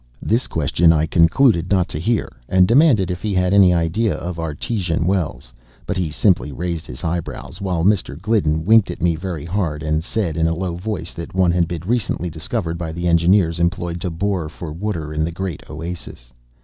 This question I concluded not to hear, and demanded if he had any idea of Artesian wells; but he simply raised his eyebrows; while Mr. Gliddon winked at me very hard and said, in a low tone, that one had been recently discovered by the engineers employed to bore for water in the Great Oasis.